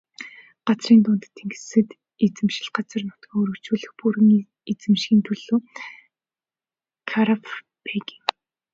Газрын дундад тэнгист эзэмшил газар нутгаа өргөжүүлж бүрэн эзэмшихийн төлөө Карфаген.